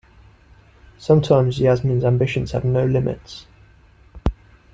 Sometimes Yasmin's ambitions have no limits.